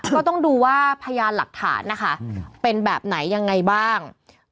ก็ต้องดูว่าพยานหลักฐานนะคะเป็นแบบไหนยังไงบ้าง